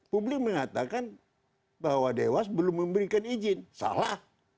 publik mengatakan bahwa dewas belum memberikan izin salah